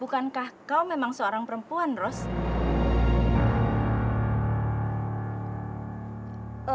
bukankah kau seorang perempuan rose